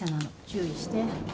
注意して。